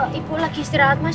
biarin aja dulu mas